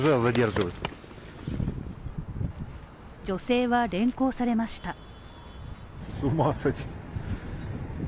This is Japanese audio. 女性は連行されました。